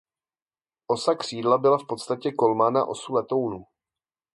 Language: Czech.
Osa křídla byla v podstatě kolmá na osu letounu.